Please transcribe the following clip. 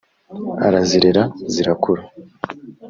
arazirera zirakura